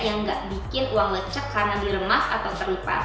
yang gak bikin uang ngecek karena diremas atau terlipat